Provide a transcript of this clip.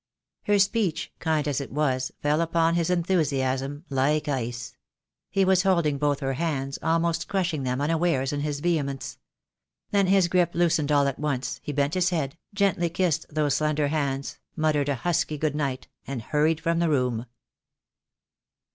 Her speech, kind as it was, fell upon his enthusiasm like ice. He was holding both her hands, almost crush ing them unawares in his vehemence. Then his grip loosened all at once, he bent his head, gently kissed those slender hands, muttered a husky good night, and hurried from the room.